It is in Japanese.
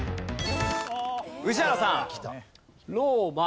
宇治原さん。